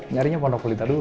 nyarinya ponokulita dulu